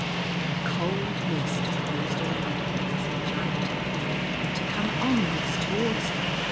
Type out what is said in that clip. A cold mist closed around her as the Giant appeared to come onwards towards her.